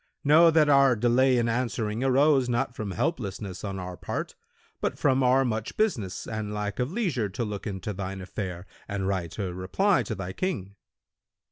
Know that our delay in answering arose not from helplessness on our part, but from our much business and lack of leisure to look into thine affair and write a reply to thy King.'